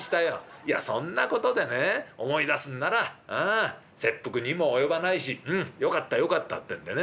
いやそんな事でね思い出すんなら切腹にも及ばないしよかったよかったってんでね。